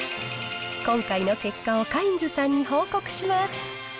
今回の結果をカインズさんに報告します。